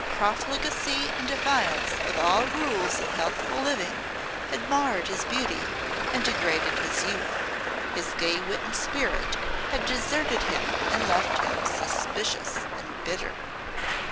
Profligacy and defiance of all rules of healthful living had marred his beauty and degraded his youth; his gay wit and spirit had deserted him and left him suspicious and bitter.